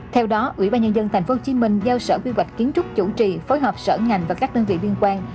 theo đó ủy ban nhân dân tp hcm giao sở quy hoạch kiến trúc chủ trì phối hợp sở ngành và các đơn vị liên quan